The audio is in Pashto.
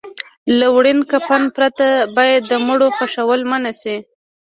له وړین کفن پرته باید د مړو خښول منع شي.